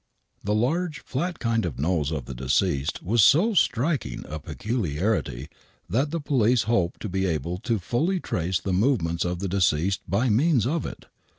The large,, flat kind of nose of the deceased was so striking a peculiarity that the police hop^d to be able to fully trace the movements of the deceased by means of it.